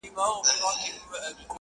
سپوږمۍ ته گوره زه پر بام ولاړه يمه ـ